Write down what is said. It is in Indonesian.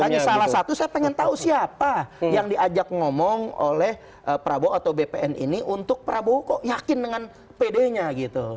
hanya salah satu saya pengen tahu siapa yang diajak ngomong oleh prabowo atau bpn ini untuk prabowo kok yakin dengan pd nya gitu